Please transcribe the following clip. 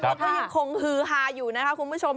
แล้วก็ยังคงฮือฮาอยู่นะคะคุณผู้ชม